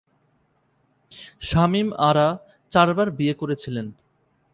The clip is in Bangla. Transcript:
শামীম আরা চারবার বিয়ে করেছিলেন।